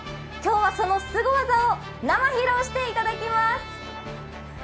今日は、そのすご技を生披露していただきます。